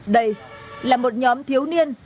đây là một nhóm thiếu niên